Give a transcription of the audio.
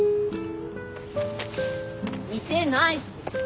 似てないし。